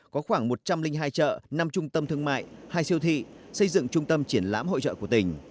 có khoảng một trăm linh hai chợ năm trung tâm thương mại hai siêu thị xây dựng trung tâm triển lãm hội trợ của tỉnh